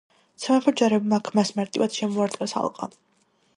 სამეფო ჯარებმა აქ მას მარტივად შემოარტყეს ალყა.